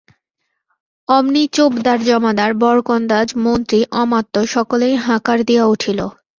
অমনি চোপদার জমাদার বরকন্দাজ মন্ত্রী অমাত্য সকলেই হাঁকার দিয়া উঠিল।